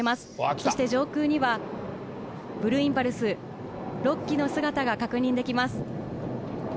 そして上空にはブルーインパルス、６機の姿が確認できます。